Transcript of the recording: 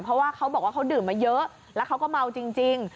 เพราะว่าเขาบอกว่าเขาดื่มมาเยอะแล้วเขาก็เมาจริง